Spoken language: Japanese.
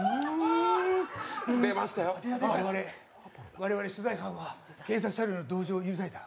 我々、取材班は警察車両の同乗を許された。